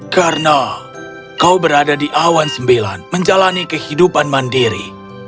karena kau berada di awan sembilan menjalani kehidupan mandiri